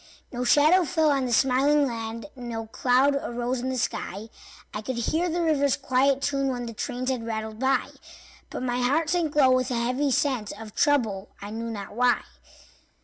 No shadow fell on the smiling land, No cloud arose in the sky; I could hear the river's quiet tune When the trains had rattled by; But my heart sank low with a heavy sense Of trouble, I knew not why.